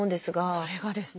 それがですね